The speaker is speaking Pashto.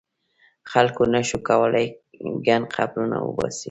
خلکو نه شو کولای ګڼ قبرونه وباسي.